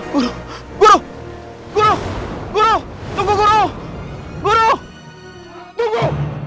guru guru guru guru tunggu guru guru tunggu